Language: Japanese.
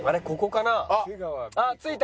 あっ着いた？